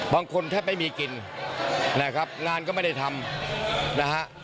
บางคนแทบไม่มีกินนะครับงานก็ไม่ได้ทำนะฮะ